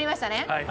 はい。